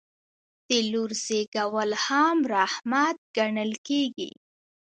د لور زیږیدل هم رحمت ګڼل کیږي.